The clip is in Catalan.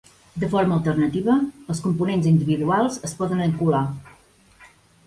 De forma alternativa, els components individuals es poden encolar.